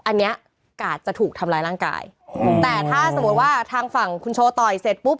อันนี้กาดจะถูกทำร้ายร่างกายแต่ถ้าสมมุติว่าทางฝั่งคุณโชว์ต่อยเสร็จปุ๊บ